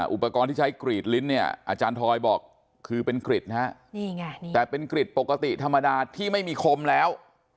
อุปกรณ์ที่ใช้กรีดลิ้นเนี่ยอาจารย์ทอยบอกคือเป็นกริดนะฮะแต่เป็นกริดปกติธรรมดาที่ไม่มีคมแล้ว